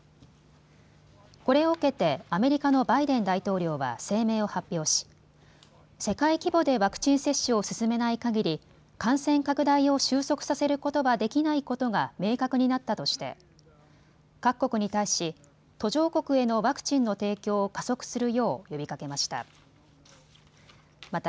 これを受けてアメリカのバイデン大統領は声明を発表し世界規模でワクチン接種を進めないかぎり感染拡大を終息させることはできないことが明確になったとして各国に対し途上国へのワクチンの提供を加速するよう呼びかけました。